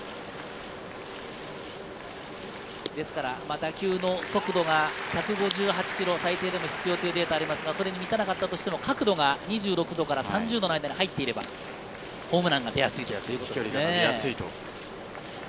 打球の速度が１５８キロ最低でも必要というデータもありますが、それに満たなかったとしても角度が２６度から３０度までに入っていればホームランが出やすいということですね。